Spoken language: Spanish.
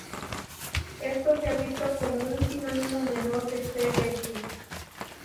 Esto se ha visto como un sinónimo menor de "C. belli".